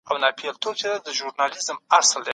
ايا ښوونځي فعال دي؟